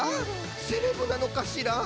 セレブなのかしら？